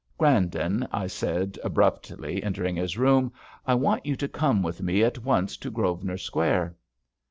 "Grandon," I said, abruptly entering his room, "I want you to come with me at once to Grosvenor Square."